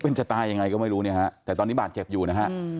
เป็นจะตายยังไงก็ไม่รู้เนี่ยฮะแต่ตอนนี้บาดเจ็บอยู่นะฮะ